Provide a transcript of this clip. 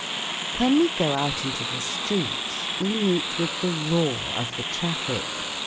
When we go out into the street we meet with the roar of the traffic.